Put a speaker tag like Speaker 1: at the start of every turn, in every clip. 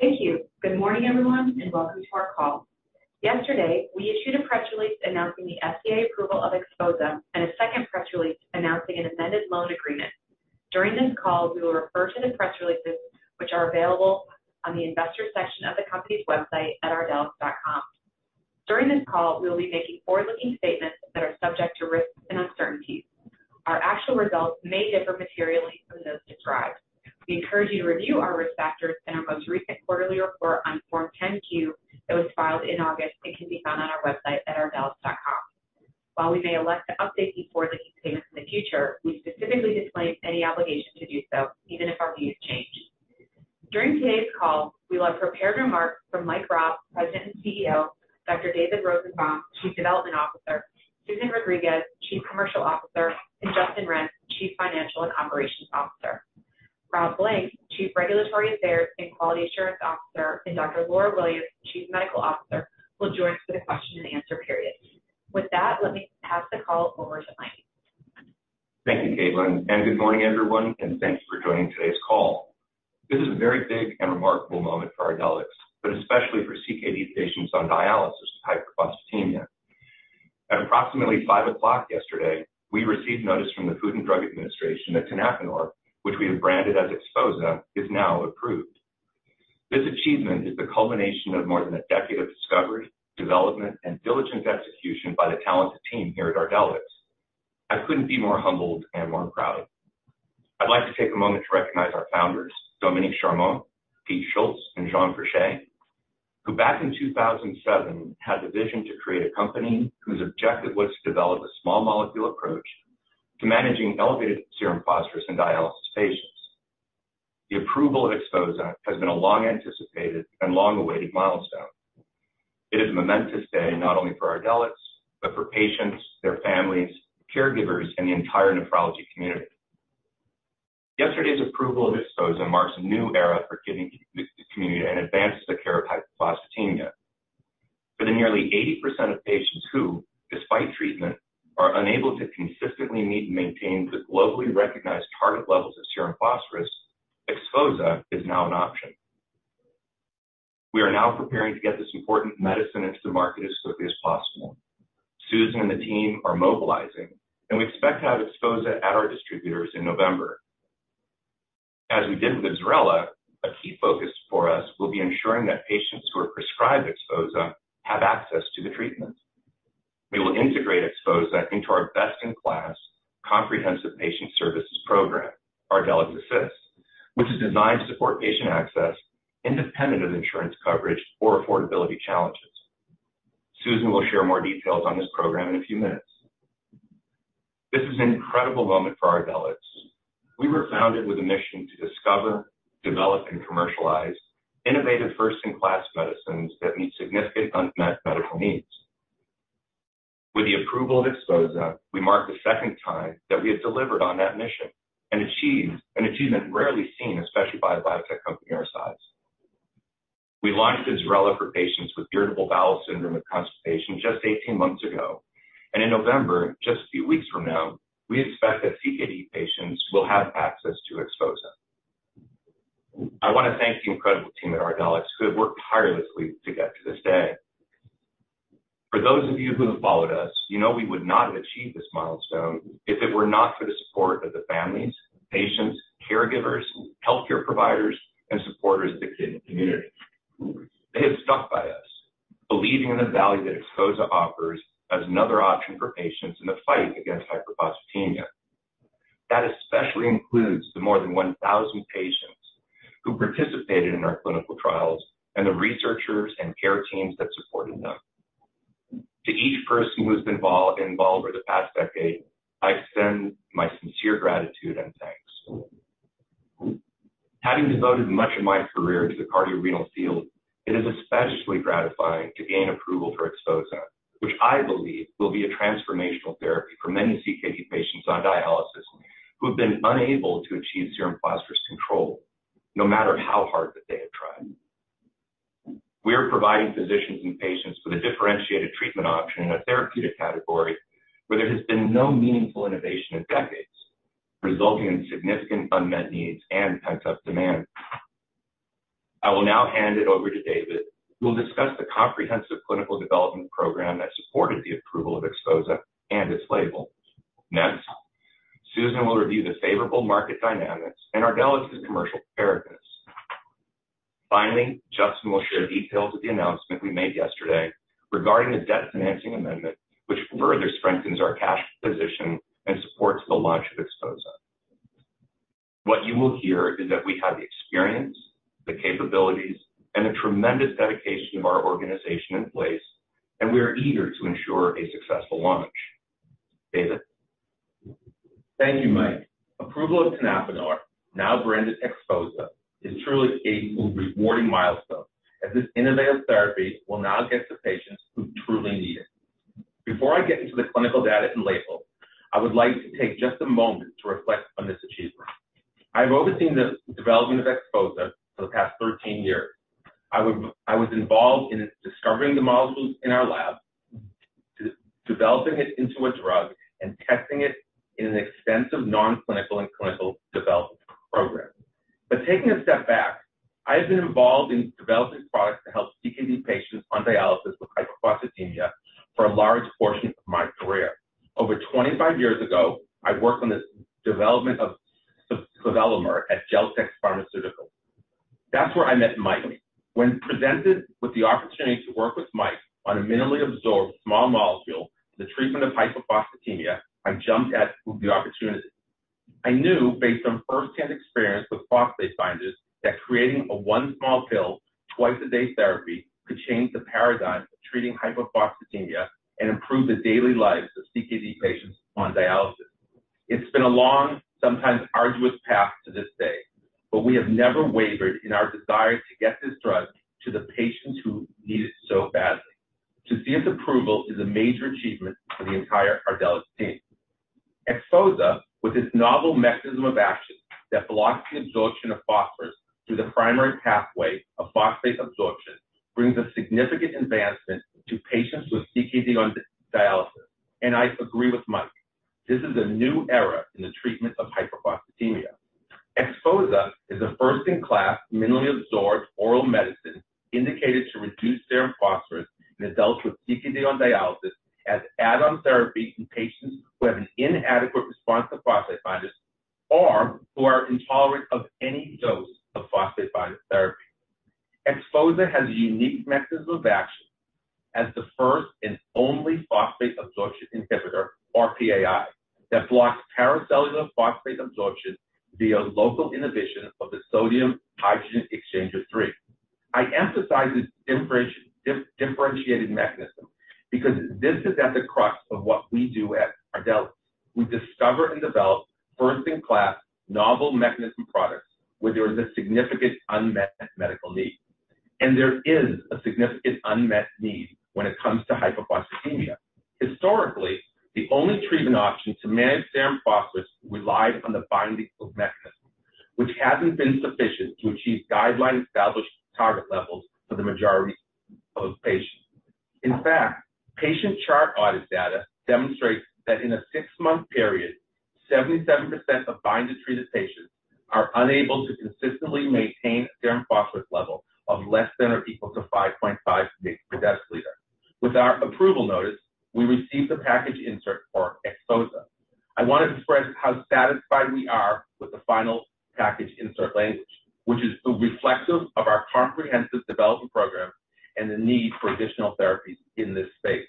Speaker 1: Thank you. Good morning, everyone, and welcome to our call. Yesterday, we issued a press release announcing the FDA approval of XPHOZAH and a second press release announcing an amended loan agreement. During this call, we will refer to the press releases, which are available on the investor section of the company's website at ardelyx.com. During this call, we will be making forward-looking statements that are subject to risks and uncertainties. Our actual results may differ materially from those described. We encourage you to review our risk factors in our most recent quarterly report on Form 10-Q that was filed in August, and can be found on our website at ardelyx.com. While we may elect to update these forward-looking statements in the future, we specifically disclaim any obligation to do so, even if our views change. During today's call, we will have prepared remarks from Mike Raab, President and CEO, Dr. David Rosenbaum, Chief Development Officer, Susan Rodriguez, Chief Commercial Officer, and Justin Renz, Chief Financial and Operations Officer. Rob Blanks, Chief Regulatory Affairs and Quality Assurance Officer, and Dr. Laura Williams, Chief Medical Officer, will join us for the question and answer period. With that, let me pass the call over to Mike.
Speaker 2: Thank you, Caitlin, and good morning, everyone, and thanks for joining today's call. This is a very big and remarkable moment for Ardelyx, but especially for CKD patients on dialysis with hyperphosphatemia. At approximately 5:00 P.M. yesterday, we received notice from the Food and Drug Administration that tenapanor, which we have branded as XPHOZAH, is now approved. This achievement is the culmination of more than a decade of discovery, development, and diligent execution by the talented team here at Ardelyx. I couldn't be more humbled and more proud. I'd like to take a moment to recognize our founders, Dominique Charmot, Pete Schultz, and Jean Fréchet, who back in 2007, had the vision to create a company whose objective was to develop a small molecule approach to managing elevated serum phosphorus in dialysis patients. The approval of XPHOZAH has been a long-anticipated and long-awaited milestone. It is a momentous day, not only for Ardelyx, but for patients, their families, caregivers, and the entire nephrology community. Yesterday's approval of XPHOZAH marks a new era for kidney community and advances the care of hyperphosphatemia. For the nearly 80% of patients who, despite treatment, are unable to consistently meet and maintain the globally recognized target levels of serum phosphorus, XPHOZAH is now an option. We are now preparing to get this important medicine into the market as quickly as possible. Susan and the team are mobilizing, and we expect to have XPHOZAH at our distributors in November. As we did with IBSRELA, a key focus for us will be ensuring that patients who are prescribed XPHOZAH have access to the treatment. We will integrate XPHOZAH into our best-in-class comprehensive patient services program, ArdelyxAssist, which is designed to support patient access independent of insurance coverage or affordability challenges. Susan will share more details on this program in a few minutes. This is an incredible moment for Ardelyx. We were founded with a mission to discover, develop, and commercialize innovative, first-in-class medicines that meet significant unmet medical needs. With the approval of XPHOZAH, we mark the second time that we have delivered on that mission and achieved an achievement rarely seen, especially by a biotech company our size. We launched IBSRELA for patients with irritable bowel syndrome and constipation just 18 months ago, and in November, just a few weeks from now, we expect that CKD patients will have access to XPHOZAH. I want to thank the incredible team at Ardelyx who have worked tirelessly to get to this day. For those of you who have followed us, you know we would not have achieved this milestone if it were not for the support of the families, patients, caregivers, healthcare providers, and supporters of the kidney community. They have stuck by us, believing in the value that XPHOZAH offers as another option for patients in the fight against hyperphosphatemia. That especially includes the more than 1,000 patients who participated in our clinical trials and the researchers and care teams that supported them. To each person who has been involved over the past decade, I extend my sincere gratitude and thanks. Having devoted much of my career to the cardiorenal field, it is especially gratifying to gain approval for XPHOZAH, which I believe will be a transformational therapy for many CKD patients on dialysis who have been unable to achieve serum phosphorus control, no matter how hard that they have tried. We are providing physicians and patients with a differentiated treatment option in a therapeutic category where there has been no meaningful innovation in decades, resulting in significant unmet needs and pent-up demand. I will now hand it over to David, who will discuss the comprehensive clinical development program that supported the approval of XPHOZAH and its label. Next, Susan will review the favorable market dynamics and Ardelyx's commercial strategy. Finally, Justin will share details of the announcement we made yesterday regarding the debt financing amendment, which further strengthens our cash position and supports the launch of XPHOZAH. What you will hear is that we have the experience, the capabilities, and the tremendous dedication of our organization in place, and we are eager to ensure a successful launch. David?
Speaker 3: Thank you, Mike. Approval of tenapanor, now branded XPHOZAH, is truly a rewarding milestone as this innovative therapy will now get to patients who truly need it. Before I get into the clinical data and label, I would like to take just a moment to reflect on this achievement. I've overseen the development of XPHOZAH for the past 13 years. I was involved in discovering the molecules in our lab, developing it into a drug, and testing it in an extensive non-clinical and clinical development program. But taking a step back, I have been involved in developing products to help CKD patients on dialysis with hyperphosphatemia for a large portion of my career. Over 25 years ago, I worked on the development of sevelamer at Genzyme. That's where I met Mike. When presented with the opportunity to work with Mike on a minimally absorbed small molecule, the treatment of hyperphosphatemia, I jumped at the opportunity. I knew, based on firsthand experience with phosphate binders, that creating a one small pill twice a day therapy could change the paradigm of treating hyperphosphatemia and improve the daily lives of CKD patients on dialysis. It's been a long, sometimes arduous path to this day, but we have never wavered in our desire to get this drug to the patients who need it so badly. To see its approval is a major achievement for the entire Ardelyx team. XPHOZAH, with its novel mechanism of action that blocks the absorption of phosphorus through the primary pathway of phosphate absorption, brings a significant advancement to patients with CKD on dialysis. I agree with Mike, this is a new era in the treatment of hyperphosphatemia. XPHOZAH is a first-in-class, minimally absorbed oral medicine indicated to reduce serum phosphorus in adults with CKD on dialysis as add-on therapy in patients who have an inadequate response to phosphate binders or who are intolerant of any dose of phosphate binder therapy. XPHOZAH has a unique mechanism of action as the first and only phosphate absorption inhibitor, or PAI, that blocks paracellular phosphate absorption via local inhibition of the sodium hydrogen exchanger 3. I emphasize this differentiated mechanism because this is at the crux of what we do at Ardelyx. We discover and develop first-in-class novel mechanism products where there is a significant unmet medical need, and there is a significant unmet need when it comes to hyperphosphatemia. Historically, the only treatment option to manage serum phosphorus relied on the binding mechanism, which hasn't been sufficient to achieve guideline-established target levels for the majority of patients. In fact, patient chart audit data demonstrates that in a 6-month period, 77% of binder-treated patients are unable to consistently maintain a serum phosphorus level of less than or equal to 5.5 mg per deciliter. With our approval notice, we received the package insert for XPHOZAH. I want to express how satisfied we are with the final package insert language, which is reflective of our comprehensive development program and the need for additional therapies in this space.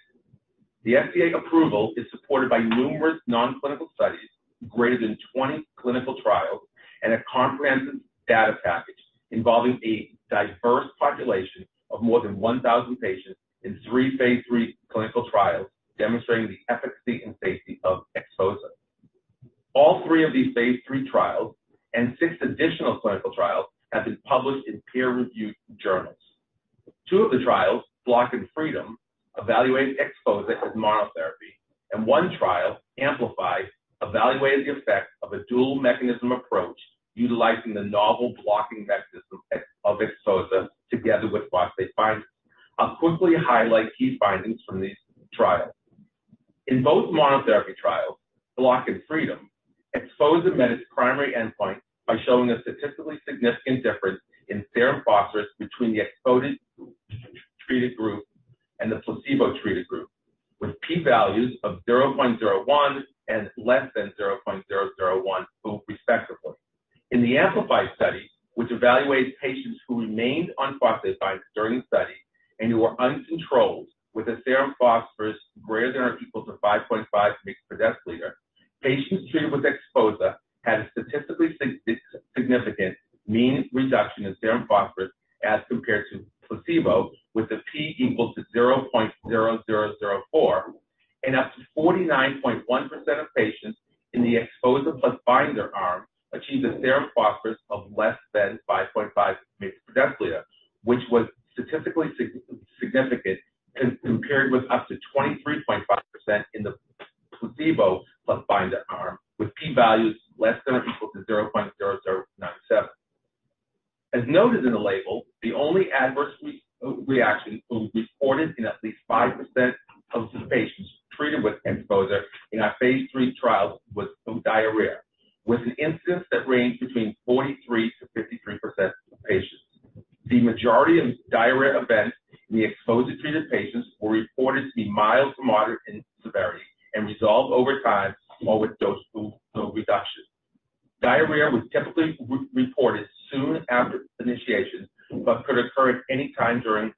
Speaker 3: The FDA approval is supported by numerous non-clinical studies, greater than 20 clinical trials, and a comprehensive data package involving a diverse population of more than 1,000 patients in three phase III clinical trials demonstrating the efficacy and safety of XPHOZAH. All three of these phase III trials and 6 additional clinical trials have been published in peer-reviewed journals. Two of the trials, BLOCK and FREEDOM, evaluated XPHOZAH as monotherapy, and one trial, AMPLIFY, evaluated the effect of a dual mechanism approach utilizing the novel blocking mechanism of XPHOZAH together with phosphate binders. I'll quickly highlight key findings from these trials. In both monotherapy trials, BLOCK and FREEDOM, XPHOZAH met its primary endpoint by showing a statistically significant difference in serum phosphorus between the XPHOZAH-treated group and the placebo-treated group, with P values of 0.01 and less than 0.001, respectively. In the AMPLIFY study, which evaluated patients who remained on phosphate binders during the study and who were uncontrolled with a serum phosphorus greater than or equal to 5.5 mg per deciliter, patients treated with XPHOZAH had a statistically significant mean reduction in serum phosphorus as compared to placebo, with a P equal to 0.0004. Up to 49.1% of patients in the XPHOZAH plus binder arm achieved a serum phosphorus of less than 5.5 mg/dL, which was statistically significant as compared with up to 23.5% in the placebo plus binder arm, with P values ≤ 0.0097. As noted in the label, the only adverse reaction reported in at least 5% of the patients treated with XPHOZAH in our phase III trials was diarrhea, with an incidence that ranged between 43%-53% of patients. The majority of diarrhea events in the XPHOZAH-treated patients were reported to be mild to moderate in severity and resolved over time or with dose reduction. Diarrhea was typically reported soon after initiation, but could occur at any time during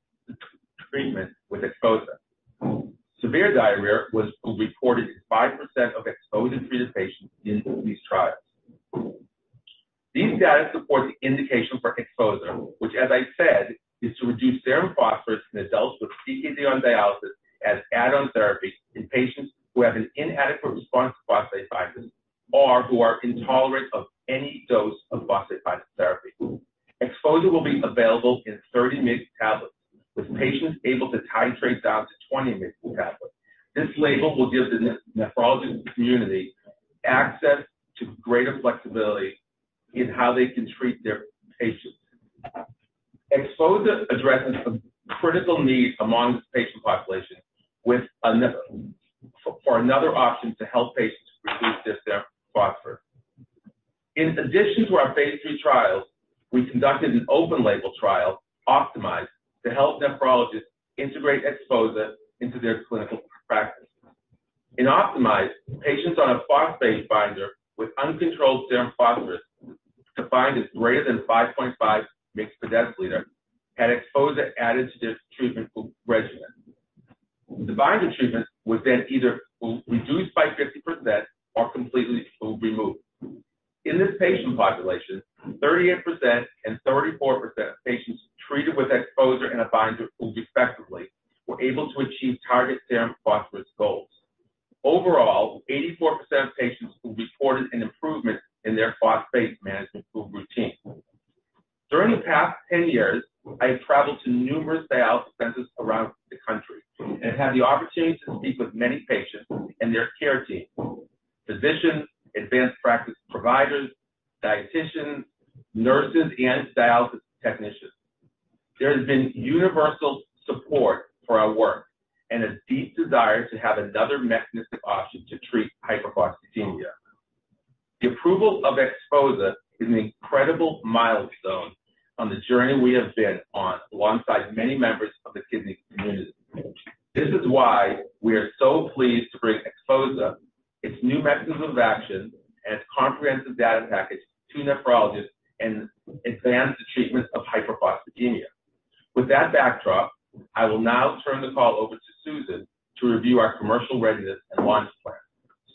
Speaker 3: of action and its comprehensive data package to nephrologists and advance the treatment of hyperphosphatemia. With that backdrop, I will now turn the call over to Susan to review our commercial readiness and launch plan.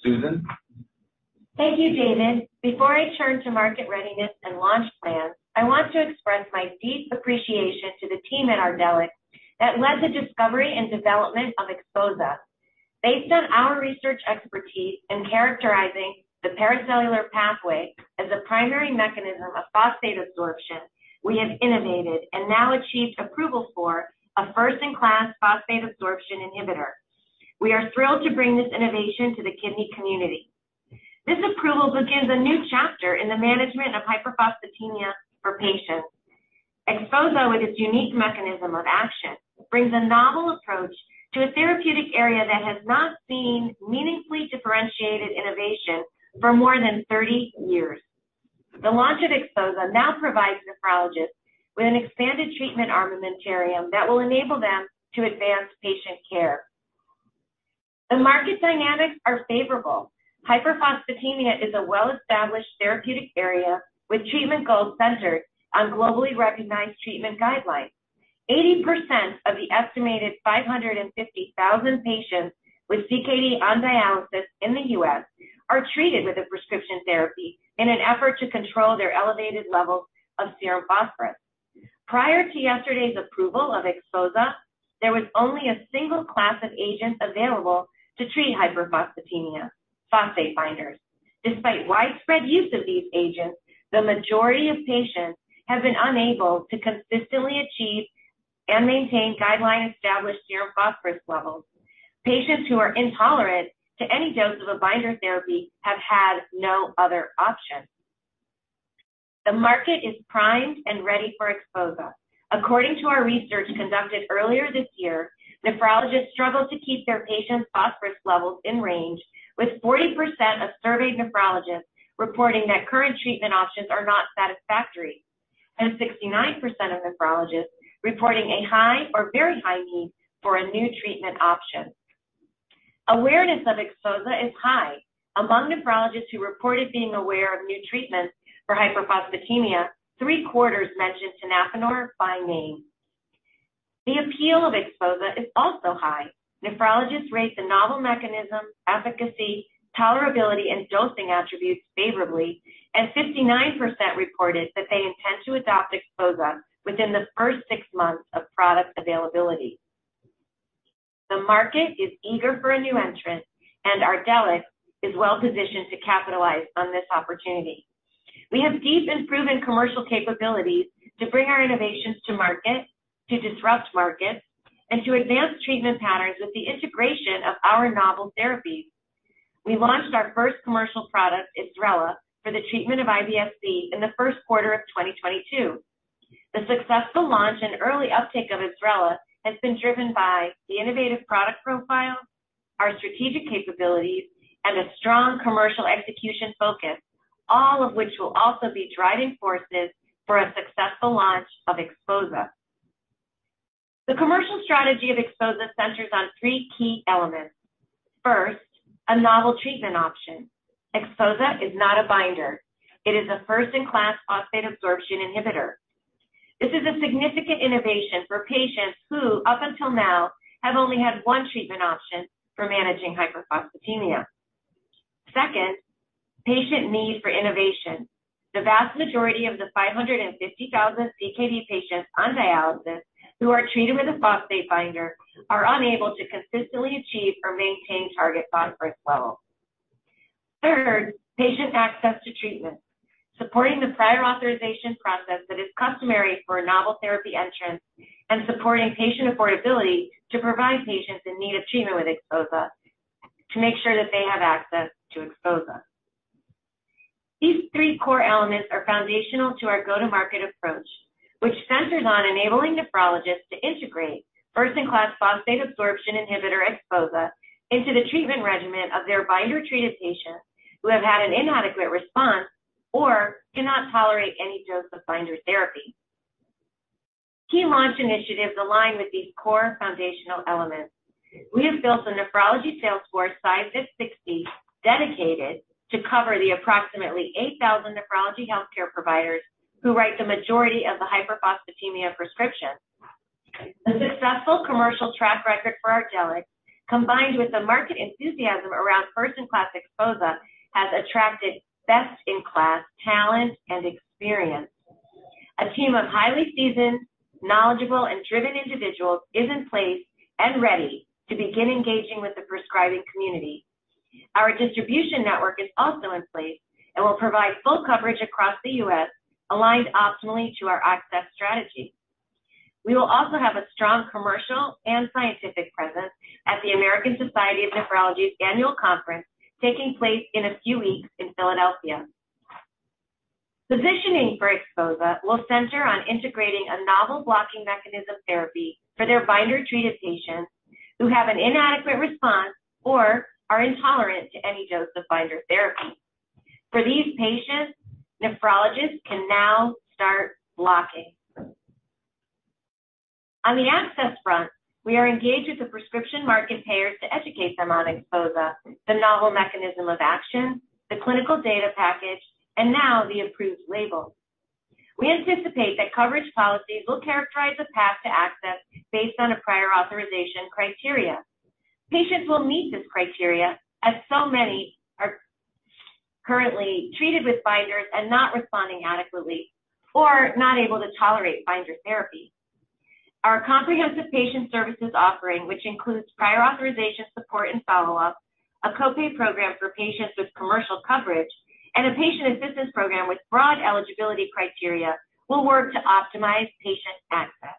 Speaker 3: Susan?
Speaker 4: Thank you, David. Before I turn to market readiness and launch plan, I want to express my deep appreciation to the team at Ardelyx that led the discovery and development of XPHOZAH. Based on our research expertise in characterizing the paracellular pathway as a primary mechanism of phosphate absorption, we have innovated and now achieved approval for a first-in-class phosphate absorption inhibitor. We are thrilled to bring this innovation to the kidney community. This approval begins a new chapter in the management of hyperphosphatemia for patients. XPHOZAH, with its unique mechanism of action, brings a novel approach to a therapeutic area that has not seen meaningfully differentiated innovation for more than 30 years. The launch of XPHOZAH now provides nephrologists with an expanded treatment armamentarium that will enable them to advance patient care. The market dynamics are favorable. Hyperphosphatemia is a well-established therapeutic area with treatment goals centered on globally recognized treatment guidelines. 80% of the estimated 550,000 patients with CKD on dialysis in the U.S. are treated with a prescription therapy in an effort to control their elevated levels of serum phosphorus. Prior to yesterday's approval of XPHOZAH, there was only a single class of agents available to treat hyperphosphatemia, phosphate binders. Despite widespread use of these agents, the majority of patients have been unable to consistently achieve and maintain guideline-established serum phosphorus levels. Patients who are intolerant to any dose of a binder therapy have had no other option. The market is primed and ready for XPHOZAH. According to our research conducted earlier this year, nephrologists struggle to keep their patients' phosphorus levels in range, with 40% of surveyed nephrologists reporting that current treatment options are not satisfactory and 69% of nephrologists reporting a high or very high need for a new treatment option. Awareness of XPHOZAH is high. Among nephrologists who reported being aware of new treatments for hyperphosphatemia, 75% mentioned tenapanor by name. The appeal of XPHOZAH is also high. Nephrologists rate the novel mechanism, efficacy, tolerability, and dosing attributes favorably, and 59% reported that they intend to adopt XPHOZAH within the first six months of product availability. The market is eager for a new entrant, and Ardelyx is well positioned to capitalize on this opportunity. We have deep and proven commercial capabilities to bring our innovations to market, to disrupt markets, and to advance treatment patterns with the integration of our novel therapies. We launched our first commercial product, IBSRELA, for the treatment of IBS-C in the first quarter of 2022. The successful launch and early uptake of IBSRELA has been driven by the innovative product profile, our strategic capabilities, and a strong commercial execution focus, all of which will also be driving forces for a successful launch of XPHOZAH. The commercial strategy of XPHOZAH centers on three key elements. First, a novel treatment option. XPHOZAH is not a binder. It is a first-in-class phosphate absorption inhibitor. This is a significant innovation for patients who, up until now, have only had one treatment option for managing hyperphosphatemia. Second, patient need for innovation. The vast majority of the 550,000 CKD patients on dialysis who are treated with a phosphate binder are unable to consistently achieve or maintain target phosphorus levels. Third, patient access to treatment. Supporting the prior authorization process that is customary for a novel therapy entrant and supporting patient affordability to provide patients in need of treatment with XPHOZAH to make sure that they have access to XPHOZAH.... These three core elements are foundational to our go-to-market approach, which centers on enabling nephrologists to integrate first-in-class phosphate absorption inhibitor, XPHOZAH, into the treatment regimen of their binder-treated patients who have had an inadequate response or cannot tolerate any dose of binder therapy. Key launch initiatives align with these core foundational elements. We have built a nephrology sales force sized at 60, dedicated to cover the approximately 8,000 nephrology healthcare providers who write the majority of the hyperphosphatemia prescriptions. A successful commercial track record for Ardelyx, combined with the market enthusiasm around first-in-class XPHOZAH, has attracted best-in-class talent and experience. A team of highly seasoned, knowledgeable, and driven individuals is in place and ready to begin engaging with the prescribing community. Our distribution network is also in place and will provide full coverage across the U.S., aligned optimally to our access strategy. We will also have a strong commercial and scientific presence at the American Society of Nephrology's annual conference, taking place in a few weeks in Philadelphia. The positioning for XPHOZAH will center on integrating a novel blocking mechanism therapy for their binder-treated patients who have an inadequate response or are intolerant to any dose of binder therapy. For these patients, nephrologists can now start blocking. On the access front, we are engaged with the prescription market payers to educate them on XPHOZAH, the novel mechanism of action, the clinical data package, and now the approved label. We anticipate that coverage policies will characterize the path to access based on a prior authorization criteria. Patients will meet this criteria, as so many are currently treated with binders and not responding adequately or not able to tolerate binder therapy. Our comprehensive patient services offering, which includes prior authorization, support, and follow-up, a co-pay program for patients with commercial coverage, and a patient assistance program with broad eligibility criteria, will work to optimize patient access.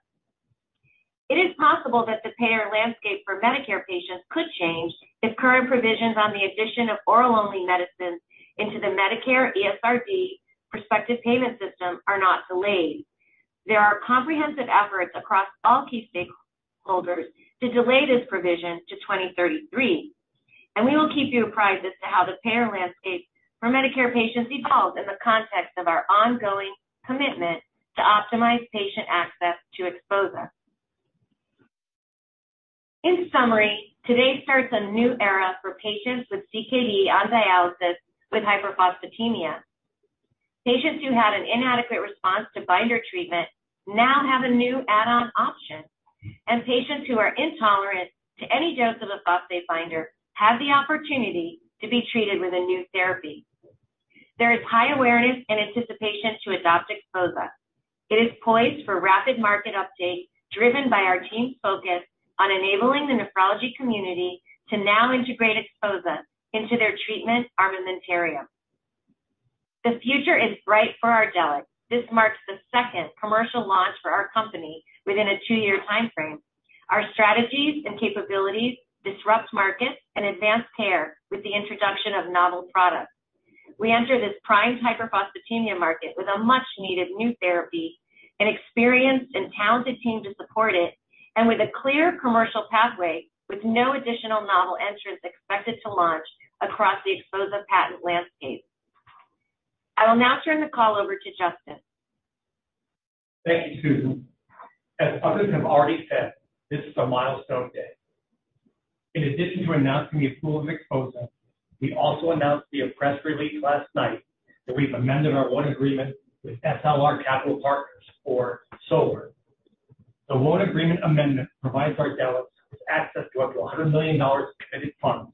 Speaker 4: It is possible that the payer landscape for Medicare patients could change if current provisions on the addition of oral-only medicines into the Medicare ESRD prospective payment system are not delayed. There are comprehensive efforts across all key stakeholders to delay this provision to 2033, and we will keep you apprised as to how the payer landscape for Medicare patients evolves in the context of our ongoing commitment to optimize patient access to XPHOZAH. In summary, today starts a new era for patients with CKD on dialysis with hyperphosphatemia. Patients who had an inadequate response to binder treatment now have a new add-on option, and patients who are intolerant to any dose of a phosphate binder have the opportunity to be treated with a new therapy. There is high awareness and anticipation to adopt XPHOZAH. It is poised for rapid market uptake, driven by our team's focus on enabling the nephrology community to now integrate XPHOZAH into their treatment armamentarium. The future is bright for Ardelyx. This marks the second commercial launch for our company within a 2-year time frame. Our strategies and capabilities disrupt markets and advance care with the introduction of novel products. We enter this prime hyperphosphatemia market with a much-needed new therapy, an experienced and talented team to support it, and with a clear commercial pathway, with no additional novel entrants expected to launch across the XPHOZAH patent landscape. I will now turn the call over to Justin.
Speaker 5: Thank you, Susan. As others have already said, this is a milestone day. In addition to announcing the approval of XPHOZAH, we also announced via press release last night that we've amended our loan agreement with SLR Capital Partners or Solar. The loan agreement amendment provides Ardelyx with access to up to $100 million of committed funds,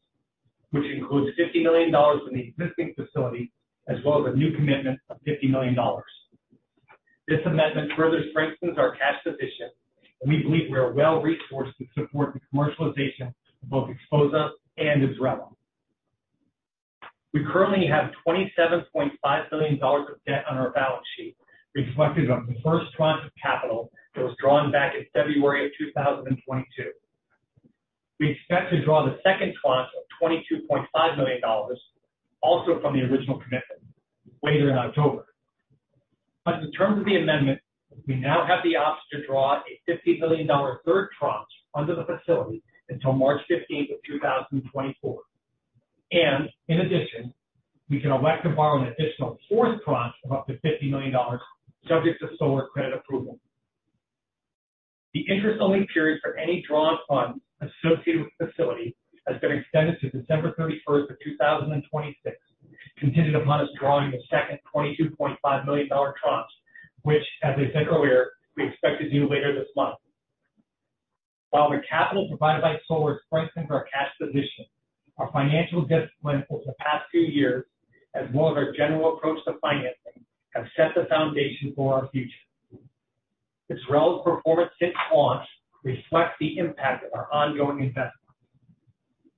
Speaker 5: which includes $50 million in the existing facility, as well as a new commitment of $50 million. This amendment further strengthens our cash position, and we believe we are well-resourced to support the commercialization of both XPHOZAH and IBSRELA. We currently have $27.5 million of debt on our balance sheet, reflective of the first tranche of capital that was drawn back in February of 2022. We expect to draw the second tranche of $22.5 million, also from the original commitment, later in October. But in terms of the amendment, we now have the option to draw a $50 million third tranche under the facility until March 15th, 2024. And in addition, we can elect to borrow an additional fourth tranche of up to $50 million, subject to SLR credit approval. The interest-only period for any drawn funds associated with the facility has been extended to December 31st, 2026, contingent upon us drawing the second $22.5 million tranche, which, as I said earlier, we expect to do later this month. While the capital provided by SLR strengthens our cash position, our financial discipline over the past few years, as well as our general approach to financing, have set the foundation for our future. IBSRELA's performance since launch reflects the impact of our ongoing investment.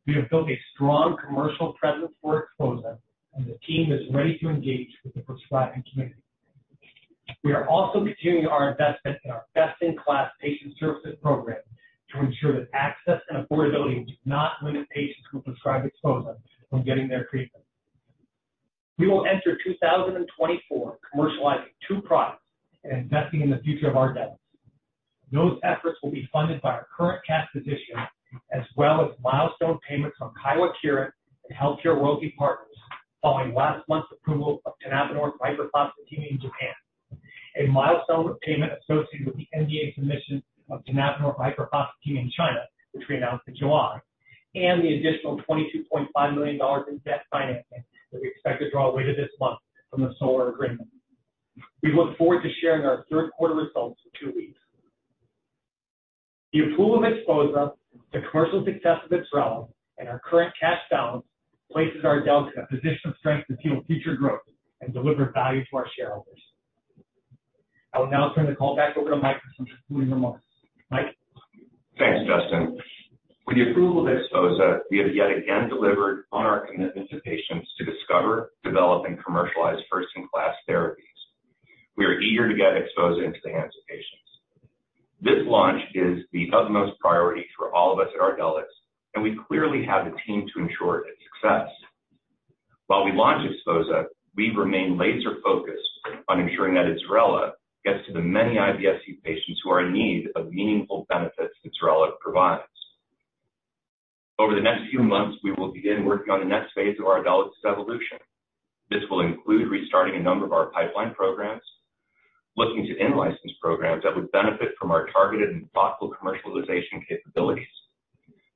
Speaker 5: We have built a strong commercial presence for XPHOZAH, and the team is ready to engage with the prescribing community. We are also continuing our investment in our best-in-class patient services program to ensure that access and affordability do not limit patients who prescribe XPHOZAH from getting their treatment. We will enter 2024 commercializing two products and investing in the future of Ardelyx. Those efforts will be funded by our current cash position, as well as milestone payments from Kyowa Kirin and HealthCare Royalty Partners, following last month's approval of tenapanor hyperphosphatemia in Japan. A milestone payment associated with the NDA submission of tenapanor hyperphosphatemia in China, which we announced in July, and the additional $22.5 million in debt financing that we expect to draw later this month from the SLR agreement. We look forward to sharing our third quarter results in two weeks. The approval of XPHOZAH, the commercial success of IBSRELA, and our current cash balance places Ardelyx in a position of strength to fuel future growth and deliver value to our shareholders. I will now turn the call back over to Mike for some concluding remarks. Mike?
Speaker 2: Thanks, Justin. With the approval of XPHOZAH, we have yet again delivered on our commitment to patients to discover, develop, and commercialize first-in-class therapies. We are eager to get XPHOZAH into the hands of patients. This launch is the utmost priority for all of us at Ardelyx, and we clearly have the team to ensure its success. While we launch XPHOZAH, we remain laser-focused on ensuring that IBSRELA gets to the many IBS-C patients who are in need of meaningful benefits IBSRELA provides. Over the next few months, we will begin working on the next phase of Ardelyx's evolution. This will include restarting a number of our pipeline programs, looking to in-license programs that would benefit from our targeted and thoughtful commercialization capabilities,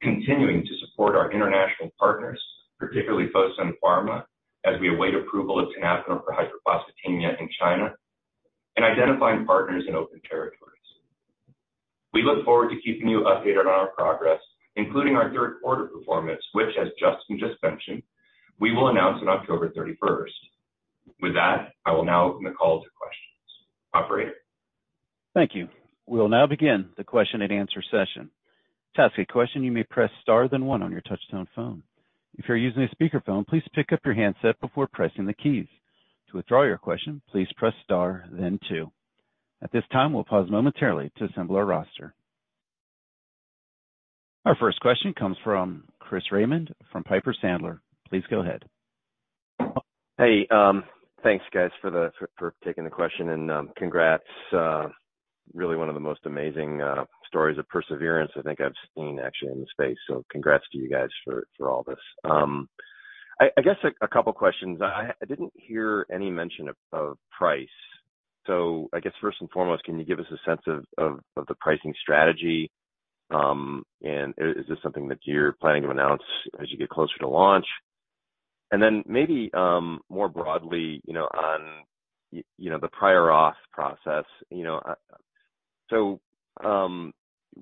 Speaker 2: continuing to support our international partners, particularly Fosun Pharma, as we await approval of tenapanor for hyperphosphatemia in China, and identifying partners in open territories. We look forward to keeping you updated on our progress, including our third quarter performance, which, as Justin just mentioned, we will announce on October 31. With that, I will now open the call to questions. Operator?
Speaker 6: Thank you. We'll now begin the question and answer session. To ask a question, you may press star, then one on your touchtone phone. If you're using a speakerphone, please pick up your handset before pressing the keys. To withdraw your question, please press star, then two. At this time, we'll pause momentarily to assemble our roster. Our first question comes from Chris Raymond from Piper Sandler. Please go ahead.
Speaker 7: Hey, thanks, guys, for taking the question and, congrats. Really one of the most amazing stories of perseverance I think I've seen actually in the space. So congrats to you guys for all this. I guess a couple questions. I didn't hear any mention of price. So I guess first and foremost, can you give us a sense of the pricing strategy? And is this something that you're planning to announce as you get closer to launch? And then maybe, more broadly, you know, on you know, the prior auth process, you know... So,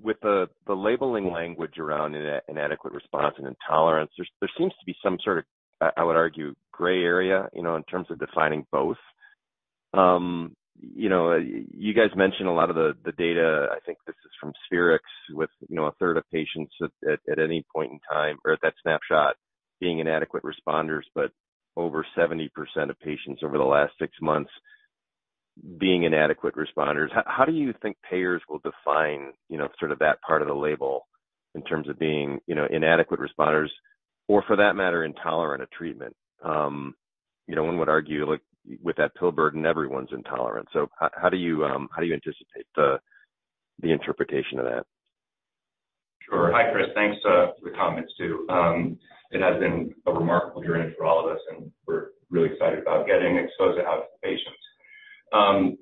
Speaker 7: with the labeling language around inadequate response and intolerance, there seems to be some sort of, I would argue, gray area, you know, in terms of defining both. You know, you guys mentioned a lot of the data. I think this is from Spherix, with, you know, a third of patients at any point in time or at that snapshot being inadequate responders, but over 70% of patients over the last six months being inadequate responders. How do you think payers will define, you know, sort of that part of the label in terms of being, you know, inadequate responders, or for that matter, intolerant of treatment? You know, one would argue, like, with that pill burden, everyone's intolerant. So how do you anticipate the interpretation of that?
Speaker 2: Sure. Hi, Chris. Thanks for the comments, too. It has been a remarkable journey for all of us, and we're really excited about getting exposed to out to patients.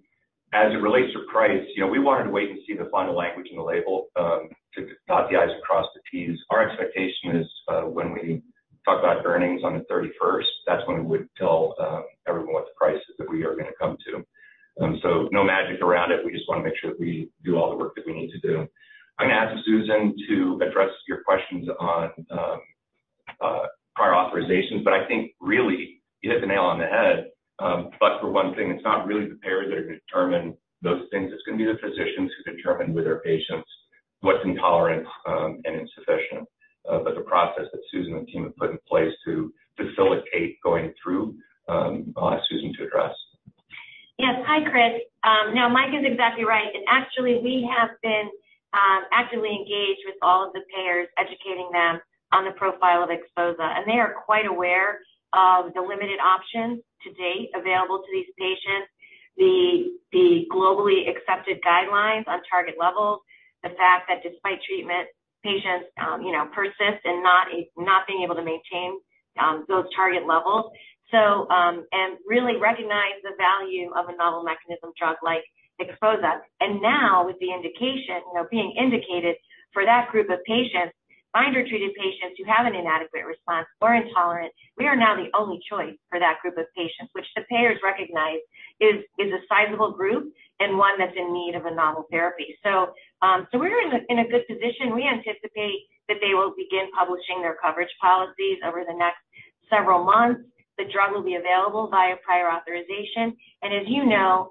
Speaker 2: As it relates to price, you know, we wanted to wait and see the final language in the label to dot the I's and cross the T's. Our expectation is when we talk about earnings on the 31st, that's when we would tell everyone what the price is that we are going to come to. So no magic around it. We just want to make sure that we do all the work that we need to do. I'm going to ask Susan to address your questions on prior authorizations, but I think really you hit the nail on the head. But for one thing, it's not really the payers that are going to determine those things. It's going to be the physicians who determine with their patients what's intolerance, and insufficient. But the process that Susan and team have put in place to facilitate going through, I'll ask Susan to address.
Speaker 4: Yes. Hi, Chris. Now Mike is exactly right. And actually, we have been actively engaged with all of the payers, educating them on the profile of XPHOZAH, and they are quite aware of the limited options to date available to these patients, the globally accepted guidelines on target levels, the fact that despite treatment, patients, you know, persist in not being able to maintain those target levels. And really recognize the value of a novel mechanism drug like XPHOZAH. And now with the indication, you know, being indicated for that group of patients, binder-treated patients who have an inadequate response or intolerance, we are now the only choice for that group of patients, which the payers recognize is a sizable group and one that's in need of a novel therapy. So, we're in a good position. We anticipate that they will begin publishing their coverage policies over the next... several months. The drug will be available via prior authorization, and as you know,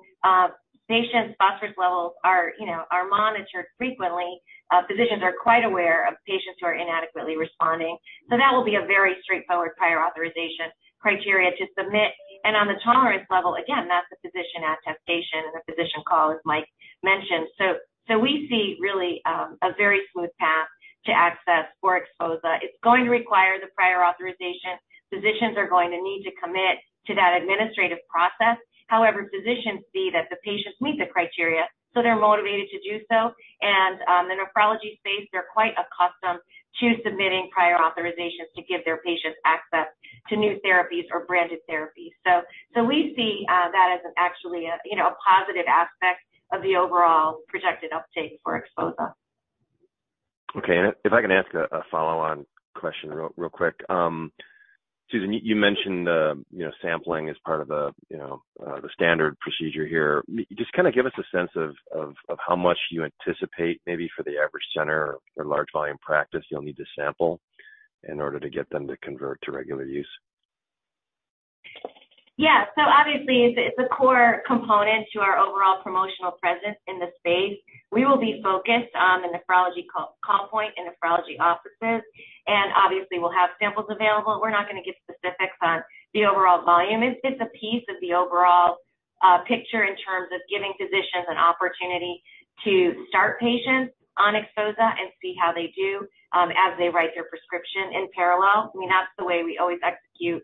Speaker 4: patients' phosphorus levels are, you know, are monitored frequently. Physicians are quite aware of patients who are inadequately responding. So that will be a very straightforward prior authorization criteria to submit. And on the tolerance level, again, that's a physician attestation and a physician call, as Mike mentioned. So, so we see really, a very smooth path to access for XPHOZAH. It's going to require the prior authorization. Physicians are going to need to commit to that administrative process. However, physicians see that the patients meet the criteria, so they're motivated to do so. And, the nephrology space, they're quite accustomed to submitting prior authorizations to give their patients access to new therapies or branded therapies. So we see that as an actually a, you know, a positive aspect of the overall projected uptake for XPHOZAH.
Speaker 7: Okay. And if I can ask a follow-on question real quick. Susan, you mentioned, you know, sampling as part of the, you know, the standard procedure here. Just kind of give us a sense of how much you anticipate, maybe for the average center or large volume practice you'll need to sample in order to get them to convert to regular use.
Speaker 4: Yeah. So obviously, it's a core component to our overall promotional presence in the space. We will be focused on the nephrology call point and nephrology offices, and obviously, we'll have samples available. We're not going to get specifics on the overall volume. It's a piece of the overall picture in terms of giving physicians an opportunity to start patients on XPHOZAH and see how they do as they write their prescription in parallel. I mean, that's the way we always execute,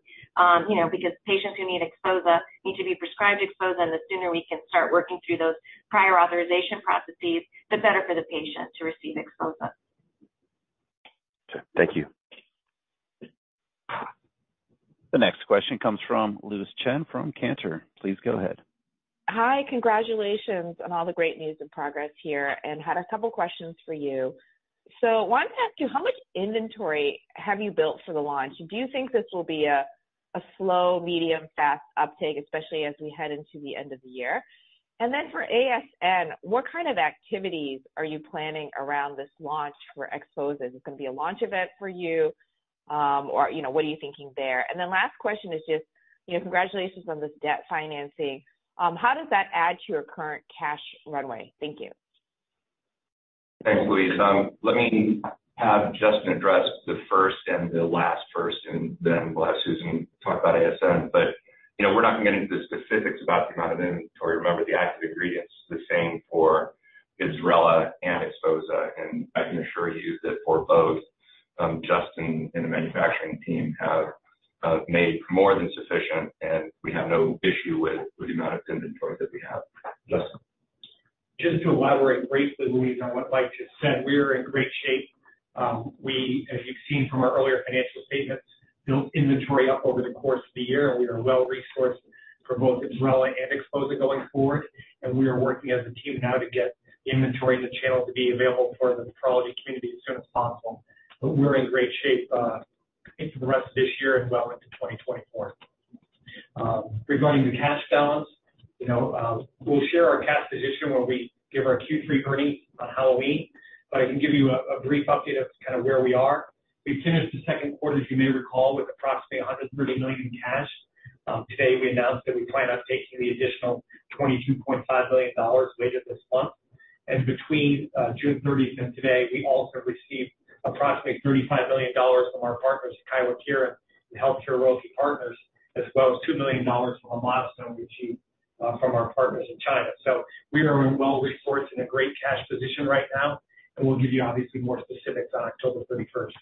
Speaker 4: you know, because patients who need XPHOZAH need to be prescribed XPHOZAH, and the sooner we can start working through those prior authorization processes, the better for the patient to receive XPHOZAH.
Speaker 7: Okay. Thank you.
Speaker 6: The next question comes from Louise Chen from Cantor. Please go ahead.
Speaker 8: Hi, congratulations on all the great news and progress here, and had a couple questions for you. So I wanted to ask you, how much inventory have you built for the launch? Do you think this will be a, a slow, medium, fast uptake, especially as we head into the end of the year? And then for ASN, what kind of activities are you planning around this launch for XPHOZAH? Is it going to be a launch event for you, or, you know, what are you thinking there? And then last question is just, you know, congratulations on this debt financing. How does that add to your current cash runway? Thank you.
Speaker 2: Thanks, Louise. Let me have Justin address the first and the last first, and then we'll have Susan talk about ASN. But, you know, we're not going to get into the specifics about the amount of inventory. Remember, the active ingredient is the same for IBSRELA and XPHOZAH, and I can assure you that for both, Justin and the manufacturing team have made more than sufficient, and we have no issue with the amount of inventory that we have. Justin?
Speaker 5: Just to elaborate briefly, Louise, on what Mike just said, we are in great shape. We, as you've seen from our earlier financial statements, built inventory up over the course of the year, and we are well resourced for both IBSRELA and XPHOZAH going forward. We are working as a team now to get inventory in the channel to be available for the nephrology community as soon as possible. We're in great shape, into the rest of this year and well into 2024. Regarding the cash balance, you know, we'll share our cash position when we give our Q3 earnings on Halloween, but I can give you a brief update of kind of where we are. We finished the second quarter, as you may recall, with approximately $130 million in cash. Today, we announced that we plan on taking the additional $22.5 million later this month. Between June 30s and today, we also received approximately $35 million from our partners, Kyowa Kirin and HealthCare Royalty Partners, as well as $2 million from a milestone we achieved from our partners in China. We are well-resourced in a great cash position right now, and we'll give you obviously more specifics on October 31st.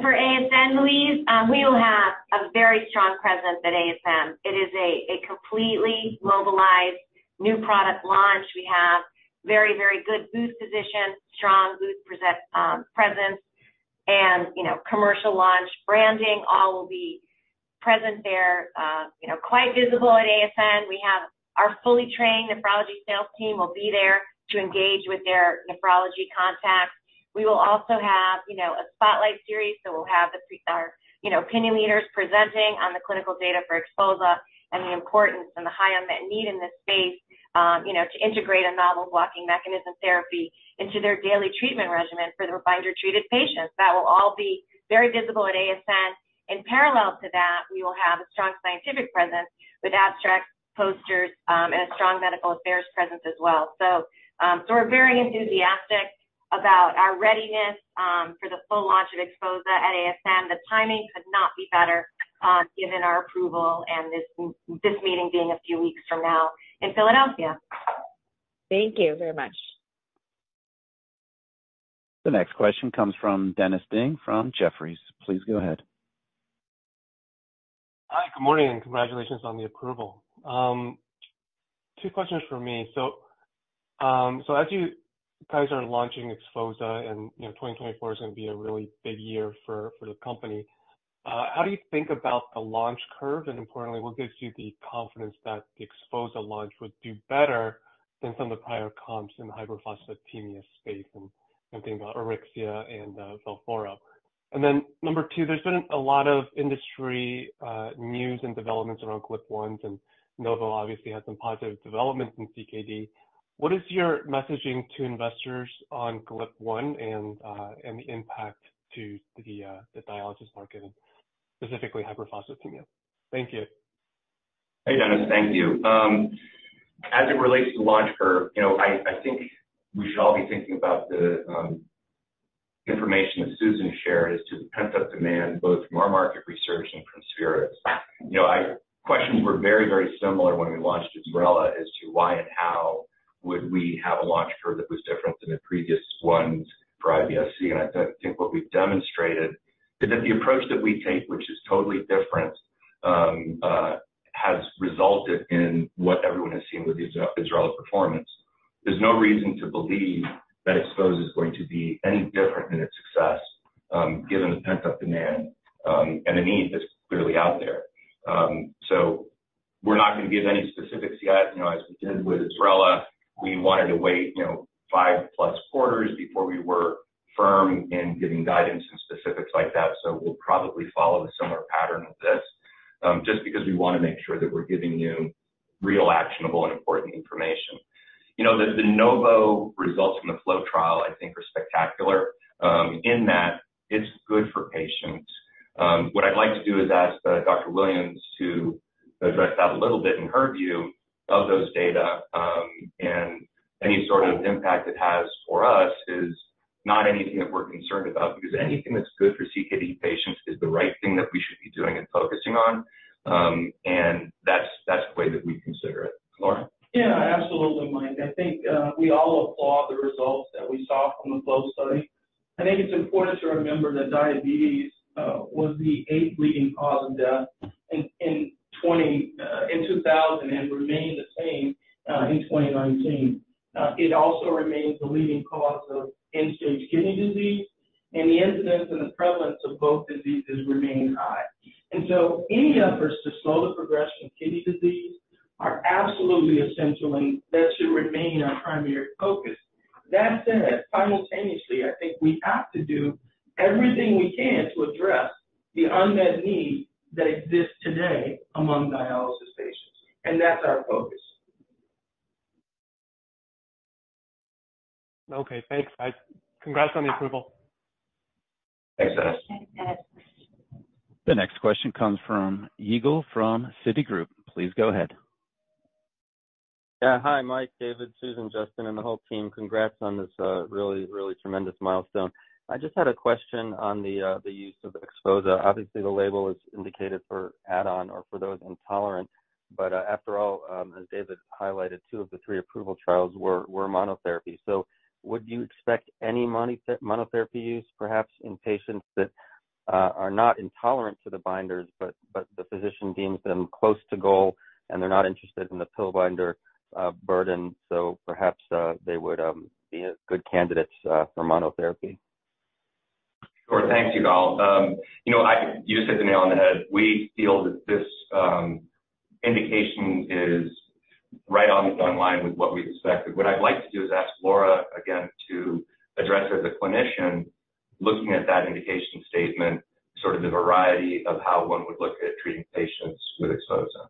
Speaker 4: For ASN, Louise, we will have a very strong presence at ASN. It is a completely mobilized new product launch. We have very, very good booth position, strong booth presence, and, you know, commercial launch branding, all will be present there. You know, quite visible at ASN. We have our fully trained nephrology sales team will be there to engage with their nephrology contacts. We will also have, you know, a spotlight series, so we'll have our, you know, opinion leaders presenting on the clinical data for XPHOZAH and the importance and the high unmet need in this space, you know, to integrate a novel blocking mechanism therapy into their daily treatment regimen for the binder-treated patients. That will all be very visible at ASN. In parallel to that, we will have a strong scientific presence with abstracts, posters, and a strong medical affairs presence as well. So, we're very enthusiastic about our readiness for the full launch of XPHOZAH at ASN. The timing could not be better, given our approval and this meeting being a few weeks from now in Philadelphia.
Speaker 8: Thank you very much.
Speaker 6: The next question comes from Dennis Ding from Jefferies. Please go ahead.
Speaker 9: Hi, good morning, and congratulations on the approval. Two questions from me. So, as you guys are launching XPHOZAH and, you know, 2024 is going to be a really big year for the company, how do you think about the launch curve, and importantly, what gives you the confidence that the XPHOZAH launch would do better than some of the prior comps in the hyperphosphatemia space? And I'm thinking about Auryxia and Velphoro. And then number two, there's been a lot of industry news and developments around GLP-1s, and Novo obviously had some positive developments in CKD. ...What is your messaging to investors on GLP-1 and the impact to the dialysis market, specifically hyperphosphatemia? Thank you.
Speaker 2: Hey, Dennis. Thank you. As it relates to the launch curve, you know, I think we should all be thinking about the information that Susan shared as to the pent-up demand, both from our market research and from Spherix. You know, questions were very, very similar when we launched IBSRELA as to why and how would we have a launch curve that was different than the previous ones for IBS-C. And I think what we've demonstrated is that the approach that we take, which is totally different, has resulted in what everyone has seen with the IBSRELA performance. There's no reason to believe that XPHOZAH is going to be any different than its success, given the pent-up demand, and the need that's clearly out there. So we're not going to give any specifics yet. You know, as we did with IBSRELA, we wanted to wait, you know, 5+ quarters before we were firm in giving guidance and specifics like that. So we'll probably follow a similar pattern with this, just because we want to make sure that we're giving you real, actionable, and important information. You know, the Novo results from the FLOW trial, I think, are spectacular, in that it's good for patients. What I'd like to do is ask Dr. Williams to address that a little bit in her view of those data. And any sort of impact it has for us is not anything that we're concerned about, because anything that's good for CKD patients is the right thing that we should be doing and focusing on. And that's the way that we consider it. Laura?
Speaker 10: Yeah, absolutely, Mike. I think, we all applaud the results that we saw from the FLOW study. I think it's important to remember that diabetes was the eighth leading cause of death in 2000 and remained the same in 2019. It also remains the leading cause of end-stage kidney disease, and the incidence and the prevalence of both diseases remain high. And so any efforts to slow the progression of kidney disease are absolutely essential, and that should remain our primary focus. That said, simultaneously, I think we have to do everything we can to address the unmet need that exists today among dialysis patients, and that's our focus.
Speaker 9: Okay, thanks, guys. Congrats on the approval.
Speaker 2: Thanks, Dennis.
Speaker 6: The next question comes from Yigal, from Citigroup. Please go ahead.
Speaker 11: Yeah. Hi, Mike, David, Susan, Justin, and the whole team. Congrats on this really, really tremendous milestone. I just had a question on the use of XPHOZAH. Obviously, the label is indicated for add-on or for those intolerant, but after all, as David highlighted, two of the three approval trials were monotherapy. So would you expect any monotherapy use, perhaps in patients that are not intolerant to the binders, but the physician deems them close to goal, and they're not interested in the pill binder burden, so perhaps they would be a good candidates for monotherapy?
Speaker 2: Sure. Thanks, Yigal. You know, you hit the nail on the head. We feel that this indication is right on the line with what we expected. What I'd like to do is ask Laura, again, to address, as a clinician, looking at that indication statement, sort of the variety of how one would look at treating patients with XPHOZAH.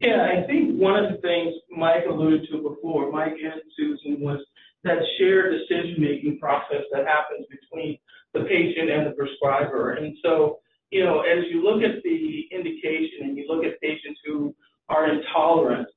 Speaker 10: Yeah, I think one of the things Mike alluded to before, Mike and Susan, was that shared decision-making process that happens between the patient and the prescriber. And so, you know, as you look at the indication and you look at patients who are intolerant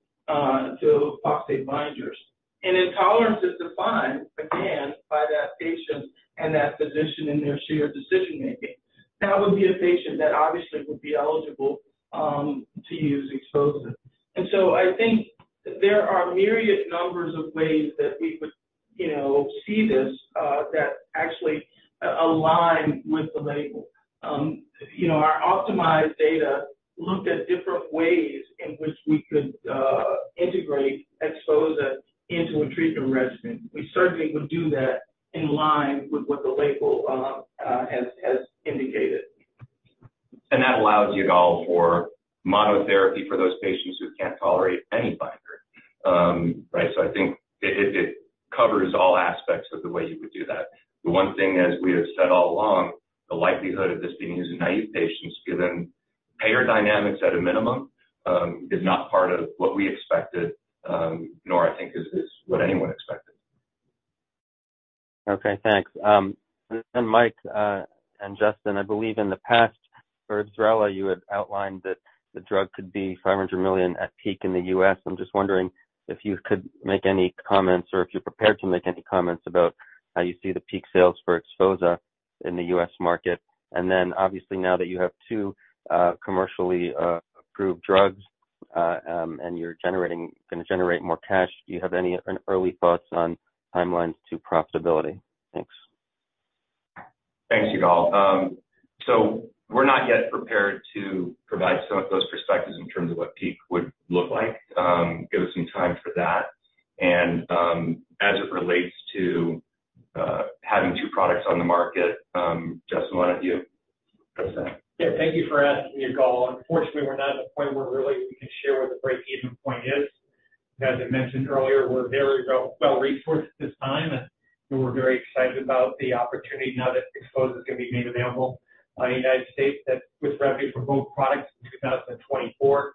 Speaker 10: to phosphate binders, and intolerance is defined again, by that patient and that physician in their shared decision-making, that would be a patient that obviously would be eligible to use XPHOZAH. And so I think there are myriad numbers of ways that we would, you know, see this, that actually align with the label. You know, our OPTIMIZE data looked at different ways in which we could integrate XPHOZAH into a treatment regimen. We certainly would do that in line with what the label has indicated.
Speaker 2: And that allows you, Yigal, for monotherapy for those patients who can't tolerate any binder. Right, so I think it covers all aspects of the way you would do that. The one thing, as we have said all along, the likelihood of this being used in naive patients, given payer dynamics at a minimum, is not part of what we expected, nor I think is what anyone expected.
Speaker 11: Okay, thanks. And Mike, and Justin, I believe in the past, for IBSRELA, you had outlined that the drug could be $500 million at peak in the US I'm just wondering if you could make any comments or if you're prepared to make any comments about how you see the peak sales for XPHOZAH in the US market. And then obviously, now that you have two commercially approved drugs, and you're gonna generate more cash, do you have any early thoughts on timelines to profitability? Thanks.
Speaker 2: Thanks, Yigal. So we're not yet prepared to provide some of those perspectives in terms of what peak would look like. Give us some time for that. And, as it relates to having two products on the market, Justin, why don't you?
Speaker 5: Yeah, thank you for asking, Yigal. Unfortunately, we're not at a point where really we can share what the breakeven point is. As I mentioned earlier, we're very well, well-resourced at this time, and-... We're very excited about the opportunity now that XPHOZAH is going to be made available in the United States, that with revenue for both products in 2024,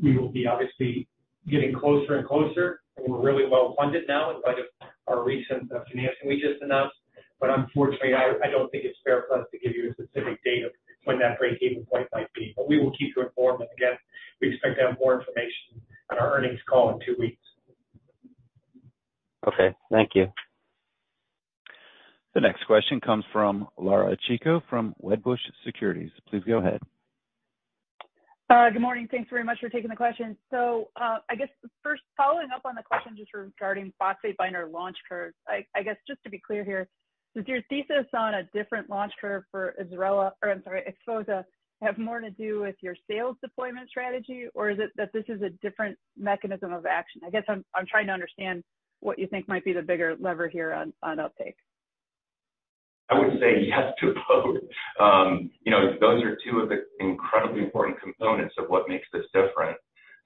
Speaker 5: we will be obviously getting closer and closer, and we're really well funded now in light of our recent financing we just announced. But unfortunately, I, I don't think it's fair for us to give you a specific date of when that breakeven point might be. But we will keep you informed, and again, we expect to have more information on our earnings call in two weeks.
Speaker 11: Okay, thank you.
Speaker 6: The next question comes from Laura Chico, from Wedbush Securities. Please go ahead.
Speaker 12: Good morning. Thanks very much for taking the question. So, I guess first, following up on the question just regarding phosphate binder launch curves. I guess, just to be clear here, does your thesis on a different launch curve for IBSRELA, or I'm sorry, XPHOZAH, have more to do with your sales deployment strategy, or is it that this is a different mechanism of action? I guess I'm trying to understand what you think might be the bigger lever here on uptake.
Speaker 2: I would say yes to both. You know, those are two of the incredibly important components of what makes this different.